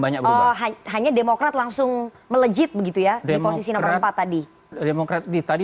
banyak hanya demokrat langsung melejit begitu ya di posisi nomor empat tadi demokrat di tadi